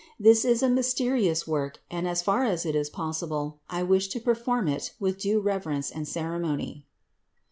This is a mysterious work and as far as it is possible, I should wish to perform it with due rev erence and ceremony."